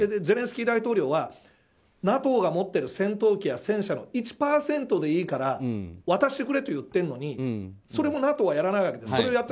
ゼレンスキー大統領はＮＡＴＯが持っている戦闘機や戦車の１％でいいから渡してくれと言ってるのにそれもＮＡＴＯはやらないわけですよ。